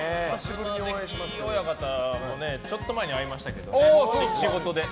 東関親方もちょっと前に会いましたけど、仕事で。